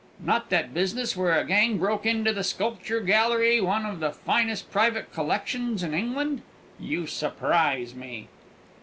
not that business where a gang broke into the sculpture gallery, one of the finest private collections in England? You surprise me!"